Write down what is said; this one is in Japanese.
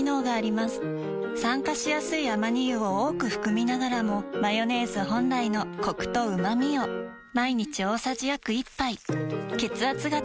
酸化しやすいアマニ油を多く含みながらもマヨネーズ本来のコクとうまみを毎日大さじ約１杯血圧が高めの方に機能性表示食品